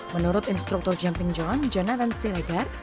menurut instruktur jumping john jonathan siregar